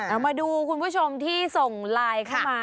เอามาดูคุณผู้ชมที่ส่งไลน์เข้ามา